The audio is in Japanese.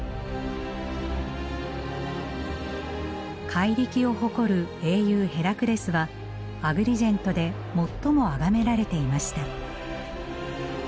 怪力を誇る英雄ヘラクレスはアグリジェントで最もあがめられていました。